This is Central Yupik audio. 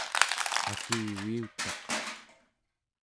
akiviutaq